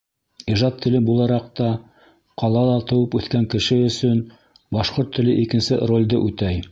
Ижад теле булараҡ та ҡалала тыуып-үҫкән кеше өсөн башҡорт теле икенсе ролде үтәй.